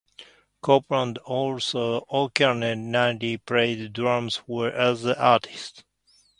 Copeland also occasionally played drums for other artists.